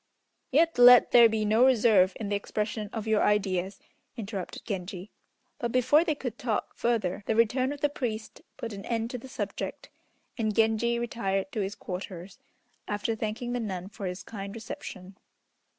"Yet let there be no reserve in the expression of your ideas," interrupted Genji; but, before they could talk further, the return of the priest put an end to the subject, and Genji retired to his quarters, after thanking the nun for his kind reception.